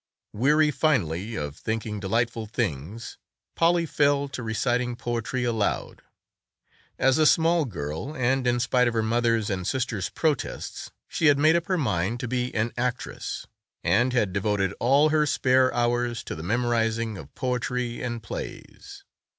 Weary finally of thinking delightful things Polly fell to reciting poetry aloud. As a small girl and in spite of her mother's and sister's protests she had made up her mind to be an actress and had devoted all her spare hours to the memorizing of poetry and plays.